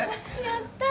やった。